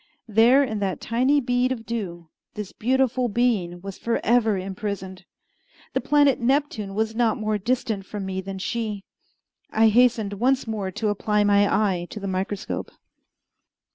There, in that tiny bead of dew, this beautiful being was forever imprisoned. The planet Neptune was not more distant from me than she. I hastened once more to apply my eye to the microscope.